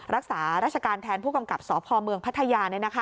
รักษาราชการแทนผู้กำกับสพเมืองพัทยา